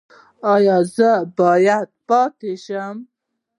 ایا زه باید پاتې شم؟